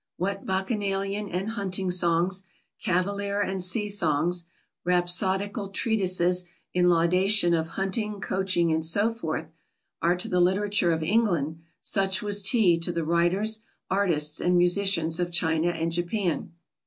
What Bacchanalian and hunting songs, cavalier and sea songs, rhapsodical treatises in laudation of hunting, coaching, and so forth, are to the literature of England, such was Tea to the writers, artists, and musicians of China and Japan.